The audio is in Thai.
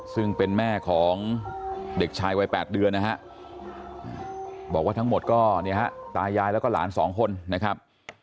ซึ่งเป็นแม่ของเด็กชายวัย๘เดือนนะฮะบอกว่าทั้งหมดก็เนี่ยฮะตายายแล้วก็หลาน๒คนนะครับ